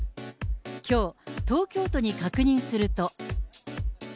きょう、東京都に確認すると。